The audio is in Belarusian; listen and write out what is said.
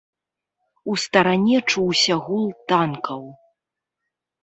У старане чуўся гул танкаў.